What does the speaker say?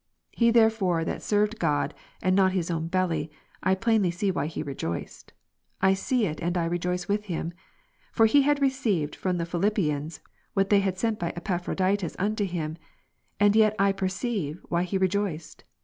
He therefore that served God, and IC 18 not his oivn belly, I plainly see why he rejoiced; I see it, and I rejoice with him. For he had received from the Piiil. 4, Philippians, what they had sent by Epaphroditus unto ^^ him : and yet I perceive why he rejoiced.